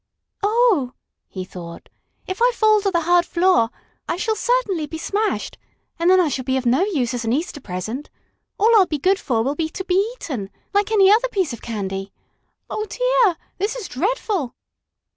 "Oh!" he thought, "if I fall to the hard floor I shall certainly be smashed, and then I shall be of no use as an Easter present. All I'll be good for will be to be eaten, like any other piece of candy! Oh, dear, this is dreadful!"